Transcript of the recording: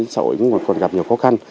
còn gặp nhiều khó khăn